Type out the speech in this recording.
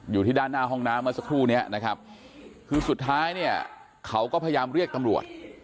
อยู่ที่ด้านหน้าห้องน้ำมาสักครู่นี้คือสุดท้ายเขาก็พยายามเรียกตำรวจ